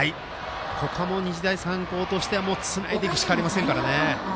ここも日大三高としてはつないでいくしかありませんからね。